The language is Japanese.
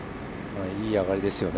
いい上がりですよね。